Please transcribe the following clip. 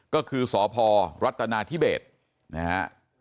ก็คือสพรัฐนาธิเบสนะฮะ